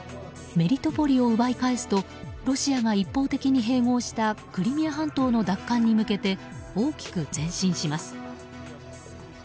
メリトポリを奪い返すとロシアが一方的に併合したクリミア半島の奪還に向けて大きく前進します。